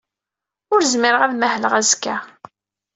Ur zmireɣ ad mahleɣ azekka.